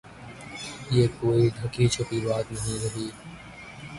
یہ کوئی ڈھکی چھپی بات نہیں رہی۔